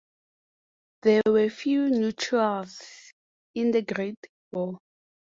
There were few neutrals in the Great War.